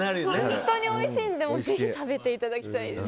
本当においしいのでぜひ食べていただきたいです。